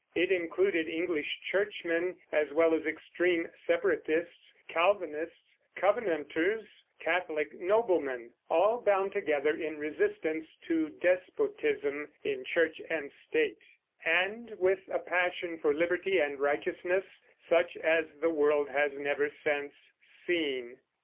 It included English churchmen as well as extreme Separatists, Calvinists, Covenanters, Catholic noblemen, all bound together in resistance to despotism in Church and State, and with a passion for liberty and righteousness such as the world has never since seen.